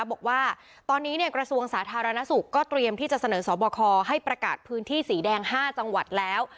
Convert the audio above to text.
บอกว่าตอนนี้เนี่ยกระทรวงสาธารณสุขก็เตรียมที่จะเสนอสอบคอให้ประกาศพื้นที่สีแดง๕จังหวัดแล้ว